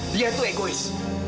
dia tuh egois